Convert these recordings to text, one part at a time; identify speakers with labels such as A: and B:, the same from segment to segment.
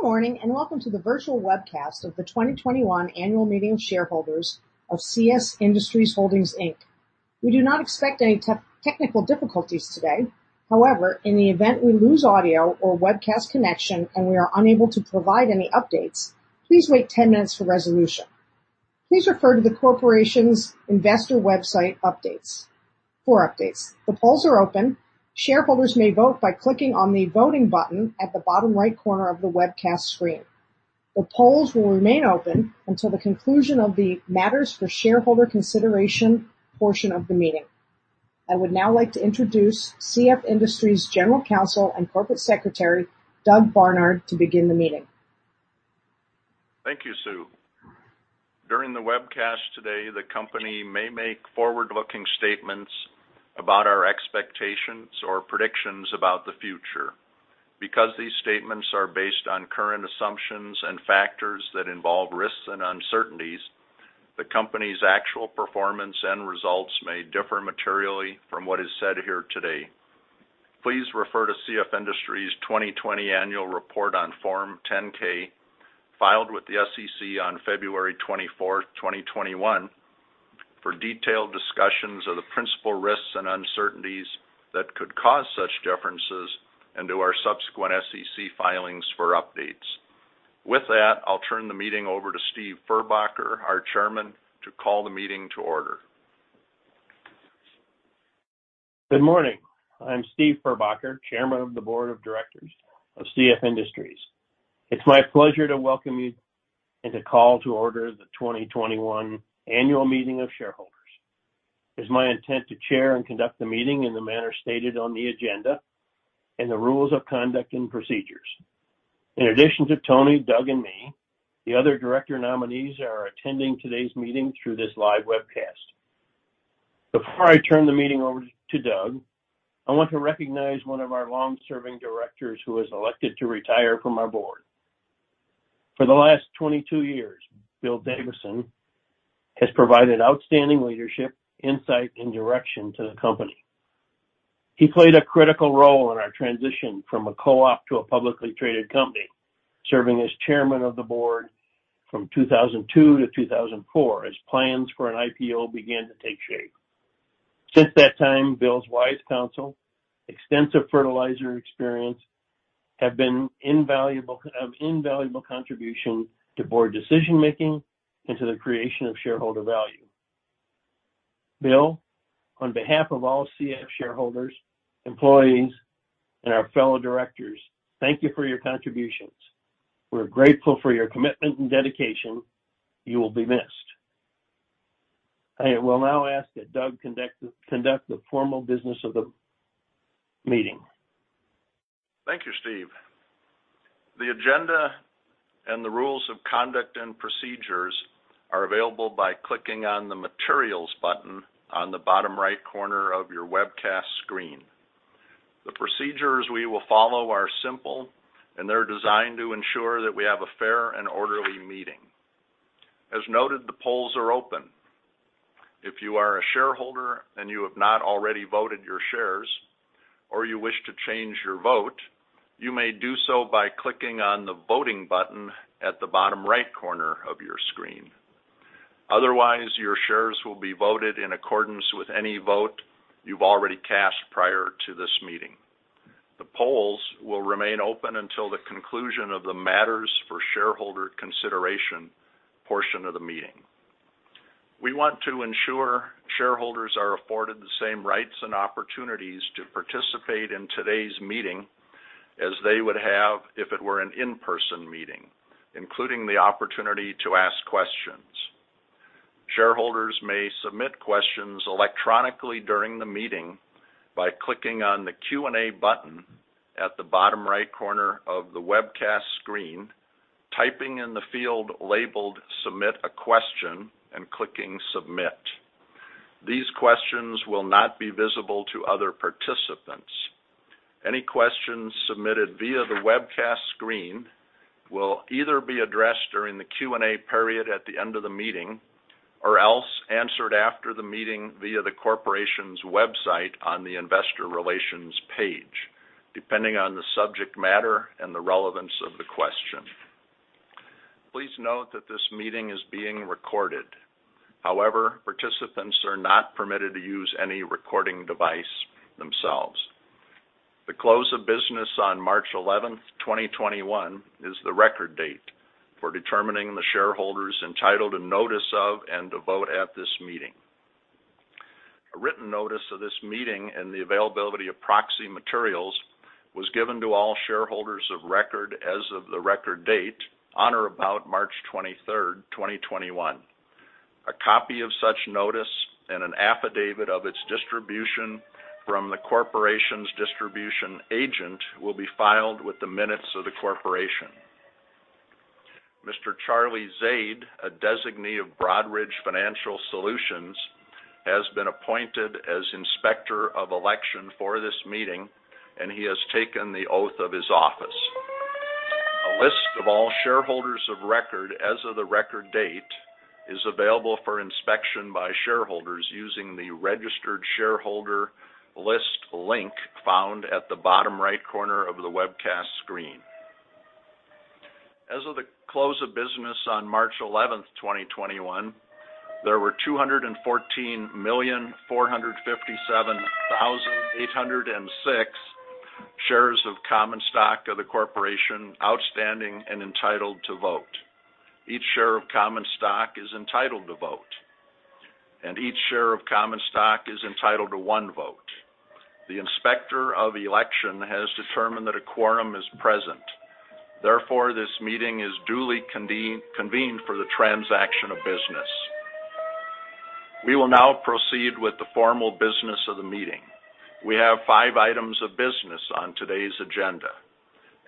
A: Good morning and welcome to the virtual webcast of the 2021 Annual Meeting of Shareholders of CF Industries Holdings, Inc. We do not expect any technical difficulties today. However, in the event we lose audio or webcast connection and we are unable to provide any updates, please wait 10 minutes for resolution. Please refer to the corporation's investor website for updates. The polls are open. Shareholders may vote by clicking on the voting button at the bottom right corner of the webcast screen. The polls will remain open until the conclusion of the matters for shareholder consideration portion of the meeting. I would now like to introduce CF Industries' General Counsel and Corporate Secretary, Doug Barnard, to begin the meeting.
B: Thank you, Sue. During the webcast today, the company may make forward-looking statements about our expectations or predictions about the future. Because these statements are based on current assumptions and factors that involve risks and uncertainties, the company's actual performance and results may differ materially from what is said here today. Please refer to CF Industries' 2020 Annual Report on Form 10-K filed with the SEC on February 24, 2021, for detailed discussions of the principal risks and uncertainties that could cause such differences and to our subsequent SEC filings for updates. With that, I'll turn the meeting over to Steve Furbacher, our Chairman, to call the meeting to order.
C: Good morning. I'm Steve Furbacher, Chairman of the Board of Directors of CF Industries. It's my pleasure to welcome you and to call to order the 2021 Annual Meeting of Shareholders. It's my intent to chair and conduct the meeting in the manner stated on the agenda and the rules of conduct and procedures. In addition to Tony, Doug, and me, the other director nominees are attending today's meeting through this live webcast. Before I turn the meeting over to Doug, I want to recognize one of our long-serving directors who has elected to retire from our board. For the last 22 years, Bill Davisson has provided outstanding leadership, insight, and direction to the company. He played a critical role in our transition from a co-op to a publicly traded company, serving as Chairman of the Board from 2002 to 2004 as plans for an IPO began to take shape. Since that time, Bill's wise counsel, extensive fertilizer experience, have been an invaluable contribution to board decision-making and to the creation of shareholder value. Bill, on behalf of all CF shareholders, employees, and our fellow directors, thank you for your contributions. We're grateful for your commitment and dedication. You will be missed. I will now ask that Doug conduct the formal business of the meeting.
B: Thank you, Steve. The agenda and the rules of conduct and procedures are available by clicking on the materials button on the bottom right corner of your webcast screen. The procedures we will follow are simple, and they're designed to ensure that we have a fair and orderly meeting. As noted, the polls are open. If you are a shareholder and you have not already voted your shares or you wish to change your vote, you may do so by clicking on the voting button at the bottom right corner of your screen. Otherwise, your shares will be voted in accordance with any vote you've already cast prior to this meeting. The polls will remain open until the conclusion of the matters for shareholder consideration portion of the meeting. We want to ensure shareholders are afforded the same rights and opportunities to participate in today's meeting as they would have if it were an in-person meeting, including the opportunity to ask questions. Shareholders may submit questions electronically during the meeting by clicking on the Q&A button at the bottom right corner of the webcast screen, typing in the field labeled Submit a Question, and clicking Submit. These questions will not be visible to other participants. Any questions submitted via the webcast screen will either be addressed during the Q&A period at the end of the meeting or else answered after the meeting via the corporation's website on the investor relations page, depending on the subject matter and the relevance of the question. Please note that this meeting is being recorded. However, participants are not permitted to use any recording device themselves. The close of business on March 11, 2021, is the record date for determining the shareholders entitled to notice of and to vote at this meeting. A written notice of this meeting and the availability of proxy materials was given to all shareholders of record as of the record date on or about March 23, 2021. A copy of such notice and an affidavit of its distribution from the corporation's distribution agent will be filed with the minutes of the corporation. Mr. Charlie Zade, a designee of Broadridge Financial Solutions, has been appointed as inspector of election for this meeting, and he has taken the oath of his office. A list of all shareholders of record as of the record date is available for inspection by shareholders using the registered shareholder list link found at the bottom right corner of the webcast screen. As of the close of business on March 11, 2021, there were 214,457,806 shares of common stock of the corporation outstanding and entitled to vote. Each share of common stock is entitled to vote, and each share of common stock is entitled to one vote. The inspector of election has determined that a quorum is present. Therefore, this meeting is duly convened for the transaction of business. We will now proceed with the formal business of the meeting. We have five items of business on today's agenda.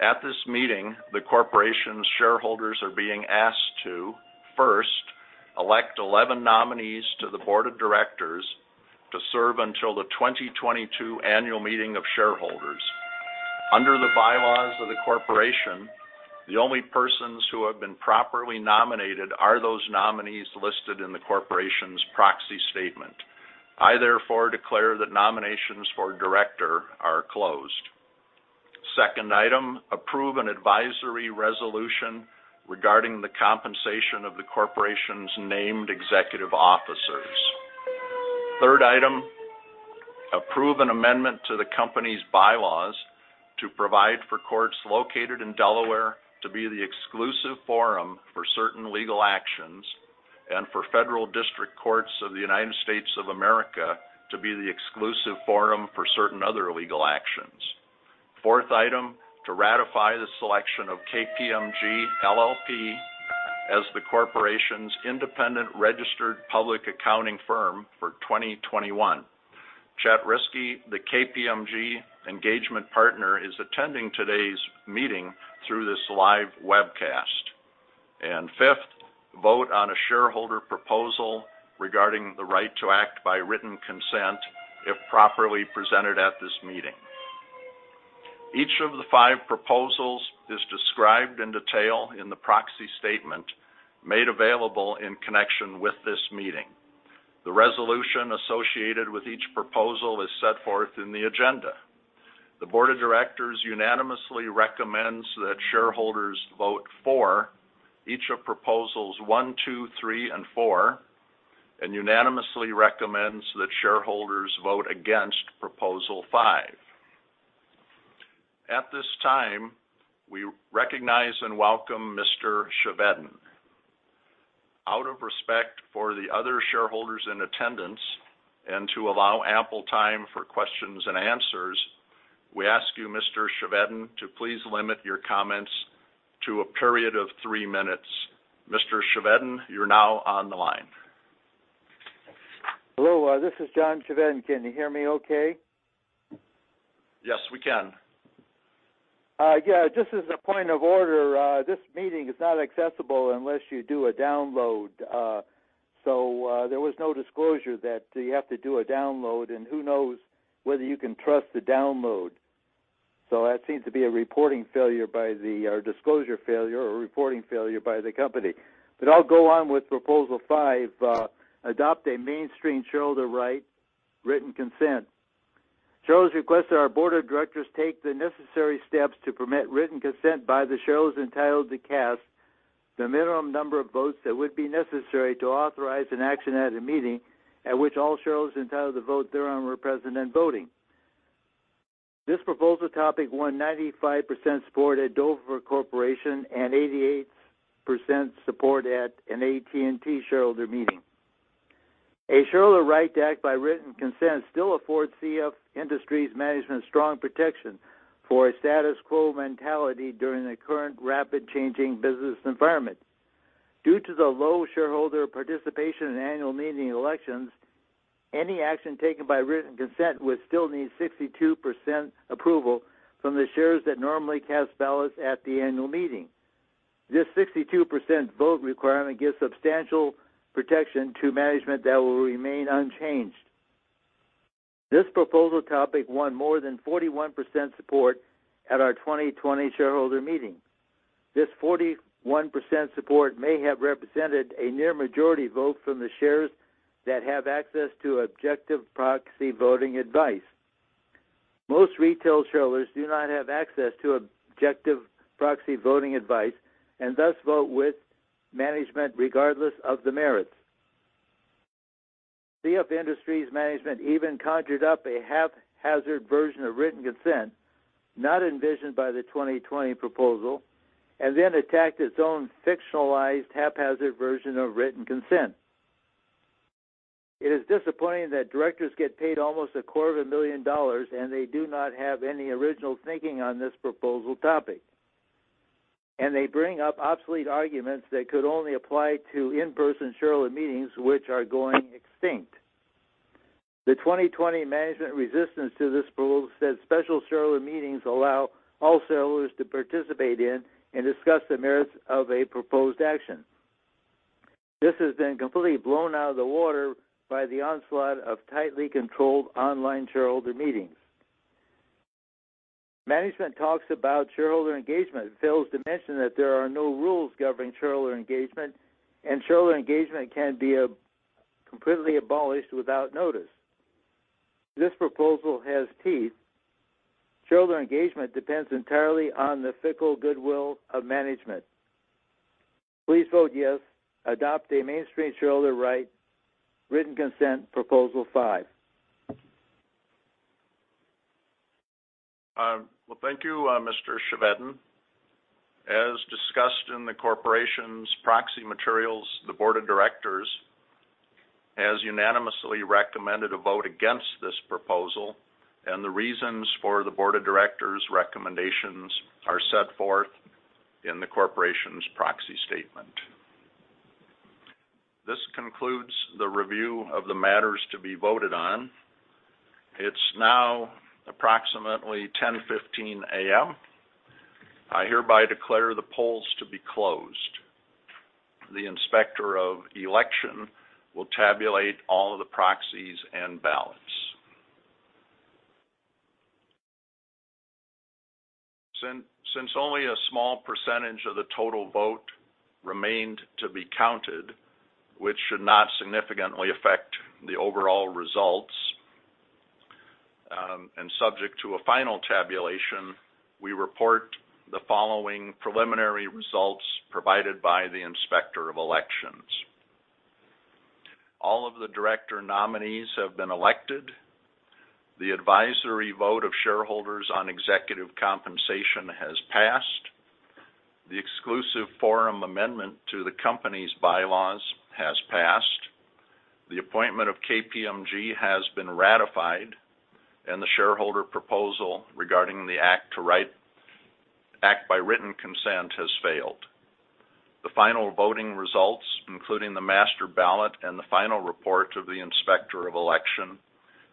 B: At this meeting, the corporation's shareholders are being asked to, first, elect 11 nominees to the board of directors to serve until the 2022 Annual Meeting of Shareholders. Under the bylaws of the corporation, the only persons who have been properly nominated are those nominees listed in the corporation's proxy statement. I, therefore, declare that nominations for director are closed. Second item, approve an advisory resolution regarding the compensation of the corporation's named executive officers. Third item, approve an amendment to the company's bylaws to provide for courts located in Delaware to be the exclusive forum for certain legal actions and for federal district courts of the United States of America to be the exclusive forum for certain other legal actions. Fourth item, to ratify the selection of KPMG LLP as the corporation's independent registered public accounting firm for 2021.Chet Riske, the KPMG engagement partner, is attending today's meeting through this live webcast. And fifth, vote on a shareholder proposal regarding the right to act by written consent if properly presented at this meeting. Each of the five proposals is described in detail in the proxy statement made available in connection with this meeting. The resolution associated with each proposal is set forth in the agenda. The board of directors unanimously recommends that shareholders vote for each of proposals one, two, three, and four, and unanimously recommends that shareholders vote against proposal five. At this time, we recognize and welcome Mr. Chevedden. Out of respect for the other shareholders in attendance and to allow ample time for questions and answers, we ask you, Mr. Chevedden, to please limit your comments to a period of three minutes. Mr. Chevedden, you're now on the line.
D: Hello. This is John Chevedden. Can you hear me okay?
B: Yes, we can.
D: Yeah. Just as a point of order, this meeting is not accessible unless you do a download. So there was no disclosure that you have to do a download, and who knows whether you can trust the download. So that seems to be a reporting failure or disclosure failure or reporting failure by the company. But I'll go on with proposal five, adopt a mainstream shareholder right, written consent. Shareholders request that our board of directors take the necessary steps to permit written consent by the shareholders entitled to cast the minimum number of votes that would be necessary to authorize an action at a meeting at which all shareholders entitled to vote thereon are represented in voting. This proposal topic won 95% support at Dover Corporation and 88% support at an AT&T shareholder meeting. A shareholder right to act by written consent still affords CF Industries management strong protection for a status quo mentality during the current rapid-changing business environment. Due to the low shareholder participation in annual meeting elections, any action taken by written consent would still need 62% approval from the shares that normally cast ballots at the annual meeting. This 62% vote requirement gives substantial protection to management that will remain unchanged. This proposal topic won more than 41% support at our 2020 shareholder meeting. This 41% support may have represented a near majority vote from the shares that have access to objective proxy voting advice. Most retail shareholders do not have access to objective proxy voting advice and thus vote with management regardless of the merits. CF Industries Management even conjured up a haphazard version of written consent not envisioned by the 2020 proposal and then attacked its own fictionalized haphazard version of written consent. It is disappointing that directors get paid almost $250,000, and they do not have any original thinking on this proposal topic, and they bring up obsolete arguments that could only apply to in-person shareholder meetings, which are going extinct. The 2020 management resistance to this proposal said special shareholder meetings allow all shareholders to participate in and discuss the merits of a proposed action. This has been completely blown out of the water by the onslaught of tightly controlled online shareholder meetings. Management talks about shareholder engagement, fails to mention that there are no rules governing shareholder engagement, and shareholder engagement can be completely abolished without notice. This proposal has teeth. Shareholder engagement depends entirely on the fickle goodwill of management. Please vote yes, adopt a mainstream shareholder right, written consent proposal five.
B: Thank you, Mr. Chevedden. As discussed in the corporation's proxy materials, the board of directors has unanimously recommended a vote against this proposal, and the reasons for the board of directors' recommendations are set forth in the corporation's proxy statement. This concludes the review of the matters to be voted on. It's now approximately 10:15 A.M. I hereby declare the polls to be closed. The inspector of election will tabulate all of the proxies and ballots. Since only a small percentage of the total vote remained to be counted, which should not significantly affect the overall results and subject to a final tabulation, we report the following preliminary results provided by the inspector of elections. All of the director nominees have been elected. The advisory vote of shareholders on executive compensation has passed. The exclusive forum amendment to the company's bylaws has passed. The appointment of KPMG has been ratified, and the shareholder proposal regarding the right to act by written consent has failed. The final voting results, including the master ballot and the final report of the inspector of election,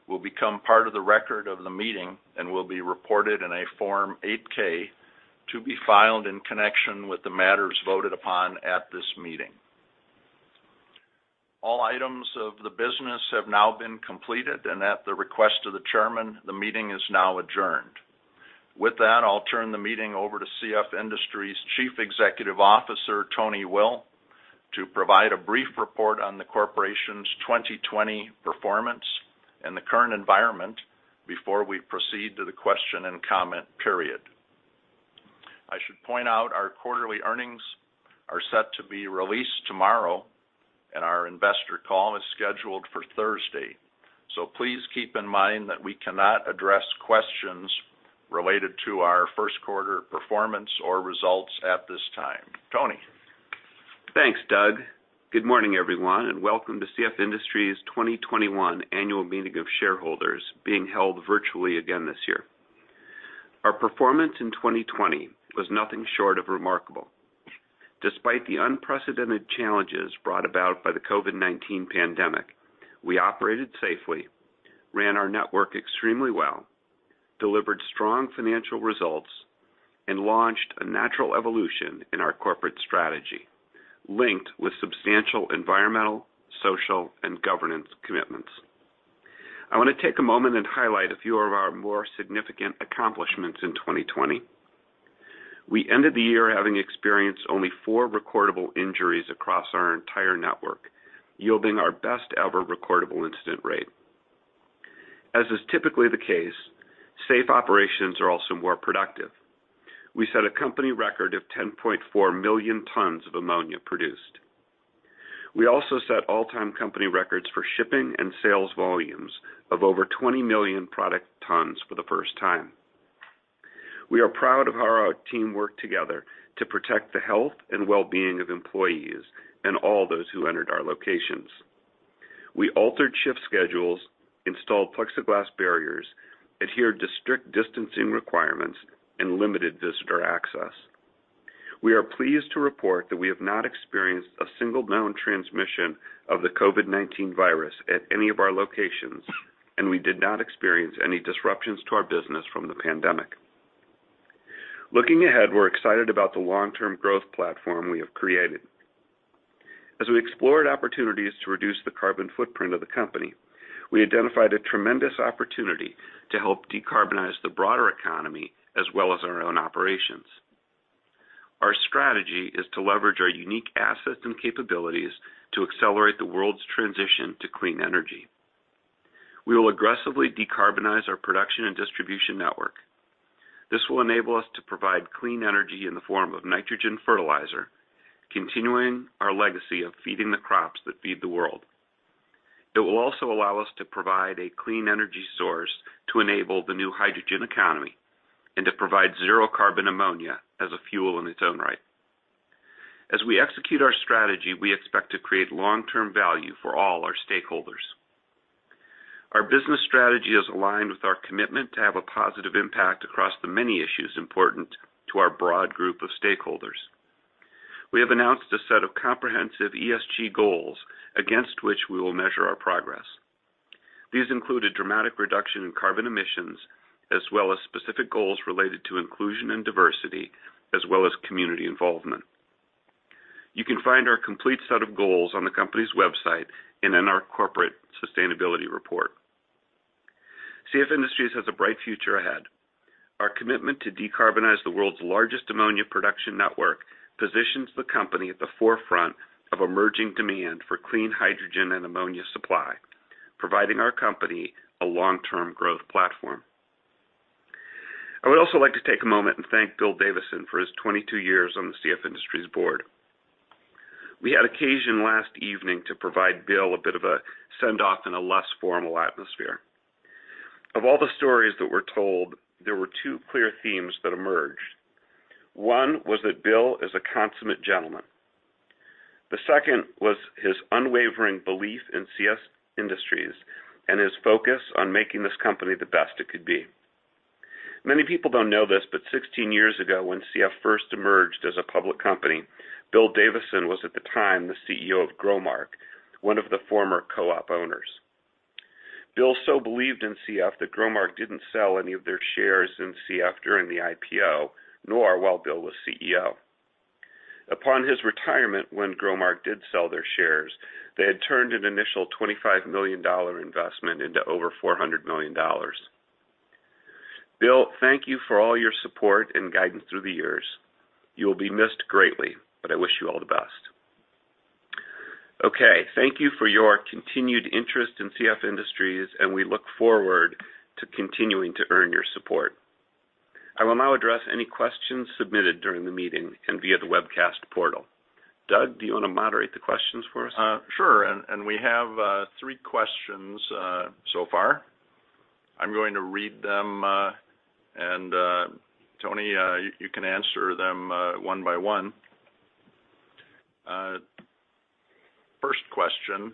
B: will become part of the record of the meeting and will be reported in a Form 8-K to be filed in connection with the matters voted upon at this meeting. All items of the business have now been completed, and at the request of the chairman, the meeting is now adjourned. With that, I'll turn the meeting over to CF Industries Chief Executive Officer, Tony Will, to provide a brief report on the corporation's 2020 performance and the current environment before we proceed to the question and comment period. I should point out our quarterly earnings are set to be released tomorrow, and our investor call is scheduled for Thursday. So please keep in mind that we cannot address questions related to our first quarter performance or results at this time. Tony.
E: Thanks, Doug. Good morning, everyone, and welcome to CF Industries' 2021 Annual Meeting of Shareholders being held virtually again this year. Our performance in 2020 was nothing short of remarkable. Despite the unprecedented challenges brought about by the COVID-19 pandemic, we operated safely, ran our network extremely well, delivered strong financial results, and launched a natural evolution in our corporate strategy linked with substantial environmental, social, and governance commitments. I want to take a moment and highlight a few of our more significant accomplishments in 2020. We ended the year having experienced only four recordable injuries across our entire network, yielding our best-ever recordable incident rate. As is typically the case, safe operations are also more productive. We set a company record of 10.4 million tons of ammonia produced. We also set all-time company records for shipping and sales volumes of over 20 million product tons for the first time. We are proud of how our team worked together to protect the health and well-being of employees and all those who entered our locations. We altered shift schedules, installed plexiglass barriers, adhered to strict distancing requirements, and limited visitor access. We are pleased to report that we have not experienced a single known transmission of the COVID-19 virus at any of our locations, and we did not experience any disruptions to our business from the pandemic. Looking ahead, we're excited about the long-term growth platform we have created. As we explored opportunities to reduce the carbon footprint of the company, we identified a tremendous opportunity to help decarbonize the broader economy as well as our own operations. Our strategy is to leverage our unique assets and capabilities to accelerate the world's transition to clean energy. We will aggressively decarbonize our production and distribution network. This will enable us to provide clean energy in the form of nitrogen fertilizer, continuing our legacy of feeding the crops that feed the world. It will also allow us to provide a clean energy source to enable the new hydrogen economy and to provide zero-carbon ammonia as a fuel in its own right. As we execute our strategy, we expect to create long-term value for all our stakeholders. Our business strategy is aligned with our commitment to have a positive impact across the many issues important to our broad group of stakeholders. We have announced a set of comprehensive ESG goals against which we will measure our progress. These include a dramatic reduction in carbon emissions as well as specific goals related to inclusion and diversity as well as community involvement. You can find our complete set of goals on the company's website and in our corporate sustainability report. CF Industries has a bright future ahead. Our commitment to decarbonize the world's largest ammonia production network positions the company at the forefront of emerging demand for clean hydrogen and ammonia supply, providing our company a long-term growth platform. I would also like to take a moment and thank Bill Davisson for his 22 years on the CF Industries board. We had occasion last evening to provide Bill a bit of a send-off in a less formal atmosphere. Of all the stories that were told, there were two clear themes that emerged. One was that Bill is a consummate gentleman. The second was his unwavering belief in CF Industries and his focus on making this company the best it could be. Many people don't know this, but 16 years ago when CF first emerged as a public company, Bill Davisson was at the time the CEO of Growmark, one of the former co-op owners. Bill so believed in CF that Growmark didn't sell any of their shares in CF during the IPO nor while Bill was CEO. Upon his retirement, when Growmark did sell their shares, they had turned an initial $25 million investment into over $400 million. Bill, thank you for all your support and guidance through the years. You will be missed greatly, but I wish you all the best. Okay. Thank you for your continued interest in CF Industries, and we look forward to continuing to earn your support. I will now address any questions submitted during the meeting and via the webcast portal. Doug, do you want to moderate the questions for us?
B: Sure, and we have three questions so far. I'm going to read them, and Tony, you can answer them one by one. First question.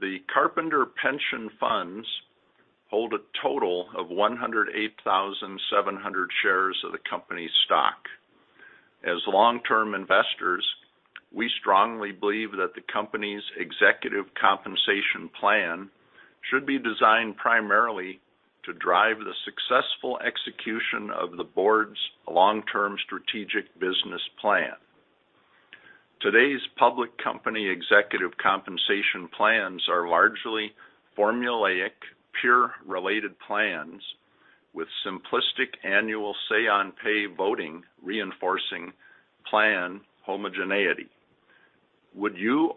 B: The Carpenters Pension Funds hold a total of 108,700 shares of the company's stock. As long-term investors, we strongly believe that the company's executive compensation plan should be designed primarily to drive the successful execution of the board's long-term strategic business plan. Today's public company executive compensation plans are largely formulaic, peer-related plans with simplistic annual say-on-pay voting reinforcing plan homogeneity. Would you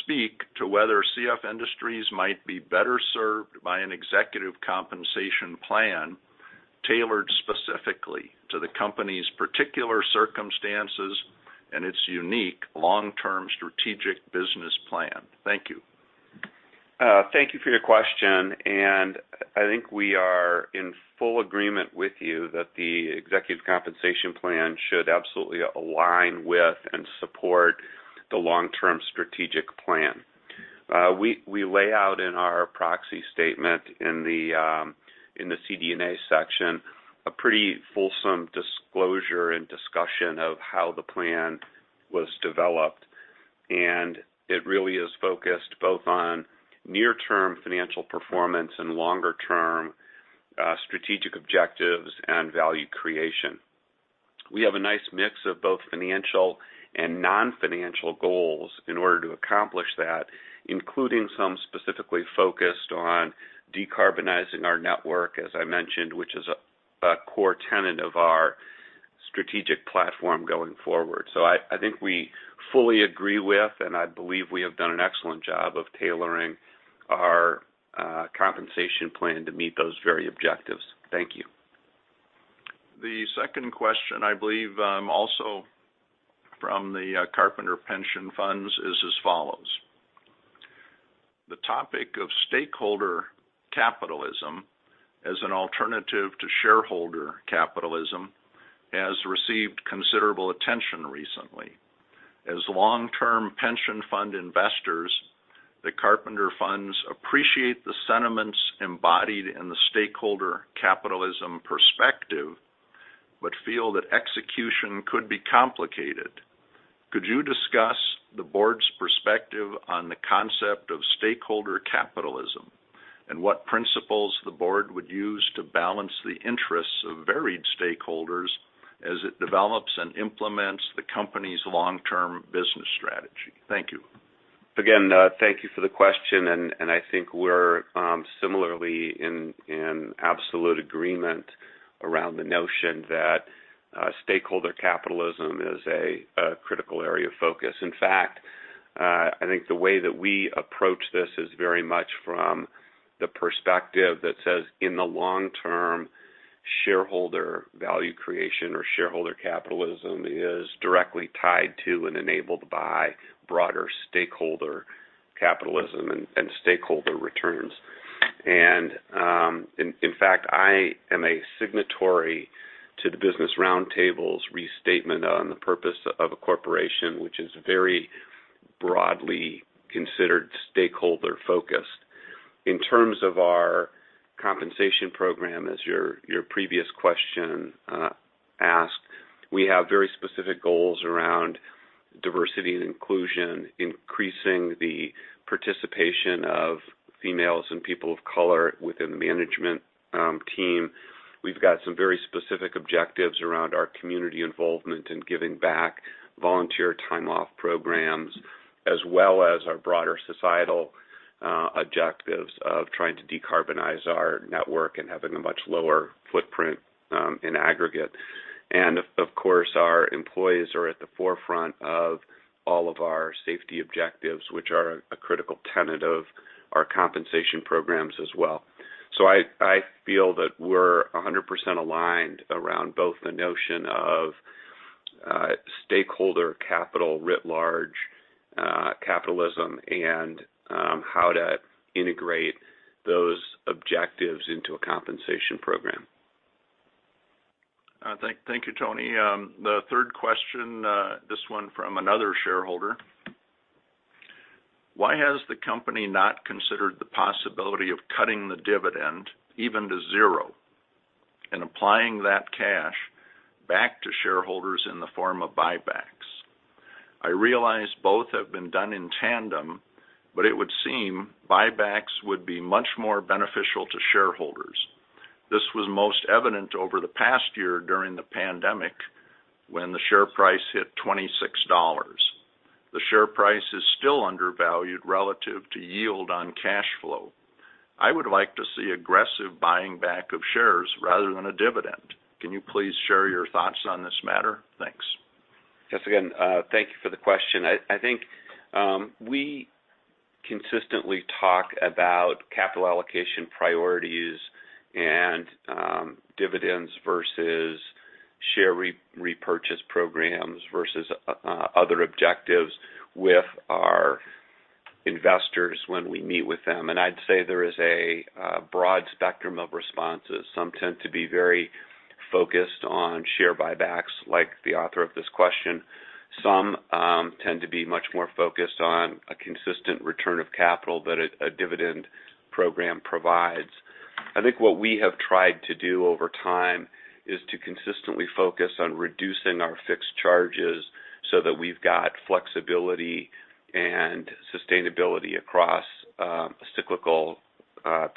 B: speak to whether CF Industries might be better served by an executive compensation plan tailored specifically to the company's particular circumstances and its unique long-term strategic business plan? Thank you.
E: Thank you for your question, and I think we are in full agreement with you that the executive compensation plan should absolutely align with and support the long-term strategic plan. We lay out in our proxy statement in the CD&A section a pretty fulsome disclosure and discussion of how the plan was developed, and it really is focused both on near-term financial performance and longer-term strategic objectives and value creation. We have a nice mix of both financial and non-financial goals in order to accomplish that, including some specifically focused on decarbonizing our network, as I mentioned, which is a core tenet of our strategic platform going forward, so I think we fully agree with, and I believe we have done an excellent job of tailoring our compensation plan to meet those very objectives. Thank you.
B: The second question, I believe, also from the Carpenters Pension Funds is as follows. The topic of stakeholder capitalism as an alternative to shareholder capitalism has received considerable attention recently. As long-term pension fund investors, the Carpenter Funds appreciate the sentiments embodied in the stakeholder capitalism perspective but feel that execution could be complicated. Could you discuss the board's perspective on the concept of stakeholder capitalism and what principles the board would use to balance the interests of varied stakeholders as it develops and implements the company's long-term business strategy? Thank you.
E: Again, thank you for the question. And I think we're similarly in absolute agreement around the notion that stakeholder capitalism is a critical area of focus. In fact, I think the way that we approach this is very much from the perspective that says in the long-term, shareholder value creation or shareholder capitalism is directly tied to and enabled by broader stakeholder capitalism and stakeholder returns. And in fact, I am a signatory to the Business Roundtable's restatement on the purpose of a corporation, which is very broadly considered stakeholder-focused. In terms of our compensation program, as your previous question asked, we have very specific goals around diversity and inclusion, increasing the participation of females and people of color within the management team. We've got some very specific objectives around our community involvement and giving back volunteer time-off programs, as well as our broader societal objectives of trying to decarbonize our network and having a much lower footprint in aggregate, and of course, our employees are at the forefront of all of our safety objectives, which are a critical tenet of our compensation programs as well, so I feel that we're 100% aligned around both the notion of stakeholder capitalism writ large and how to integrate those objectives into a compensation program.
B: Thank you, Tony. The third question, this one from another shareholder. Why has the company not considered the possibility of cutting the dividend even to zero and applying that cash back to shareholders in the form of buybacks? I realize both have been done in tandem, but it would seem buybacks would be much more beneficial to shareholders. This was most evident over the past year during the pandemic when the share price hit $26. The share price is still undervalued relative to yield on cash flow. I would like to see aggressive buying back of shares rather than a dividend. Can you please share your thoughts on this matter? Thanks.
E: Yes, again, thank you for the question. I think we consistently talk about capital allocation priorities and dividends versus share repurchase programs versus other objectives with our investors when we meet with them. And I'd say there is a broad spectrum of responses. Some tend to be very focused on share buybacks, like the author of this question. Some tend to be much more focused on a consistent return of capital that a dividend program provides. I think what we have tried to do over time is to consistently focus on reducing our fixed charges so that we've got flexibility and sustainability across cyclical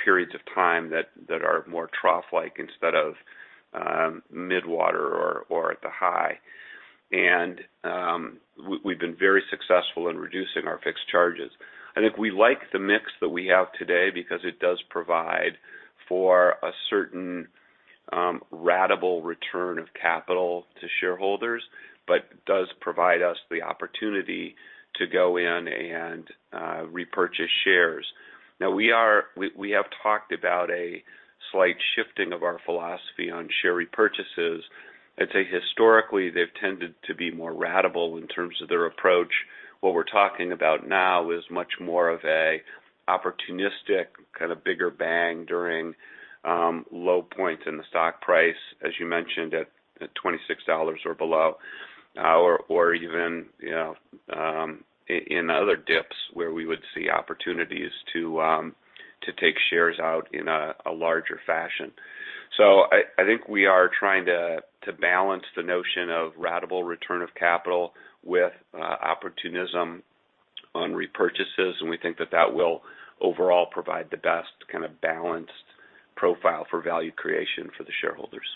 E: periods of time that are more trough-like instead of mid-cycle or at the high. And we've been very successful in reducing our fixed charges. I think we like the mix that we have today because it does provide for a certain ratable return of capital to shareholders, but does provide us the opportunity to go in and repurchase shares. Now, we have talked about a slight shifting of our philosophy on share repurchases. I'd say historically, they've tended to be more ratable in terms of their approach. What we're talking about now is much more of an opportunistic kind of bigger bang during low points in the stock price, as you mentioned, at $26 or below, or even in other dips where we would see opportunities to take shares out in a larger fashion. So I think we are trying to balance the notion of ratable return of capital with opportunism on repurchases. And we think that that will overall provide the best kind of balanced profile for value creation for the shareholders.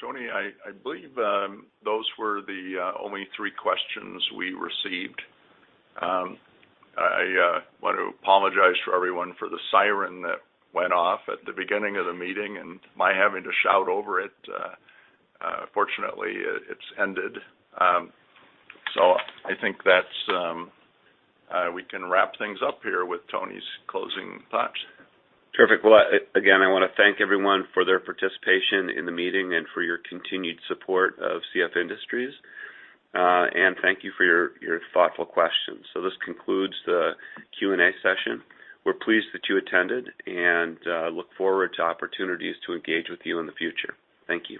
B: Tony, I believe those were the only three questions we received. I want to apologize for everyone for the siren that went off at the beginning of the meeting and my having to shout over it. Fortunately, it's ended. So I think that we can wrap things up here with Tony's closing thoughts.
E: Terrific. Well, again, I want to thank everyone for their participation in the meeting and for your continued support of CF Industries. And thank you for your thoughtful questions. So this concludes the Q&A session. We're pleased that you attended and look forward to opportunities to engage with you in the future. Thank you.